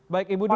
baik ibu dwi